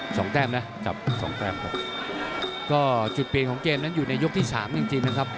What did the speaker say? แต้มนะกับสองแต้มครับก็จุดเปลี่ยนของเกมนั้นอยู่ในยกที่สามจริงจริงนะครับ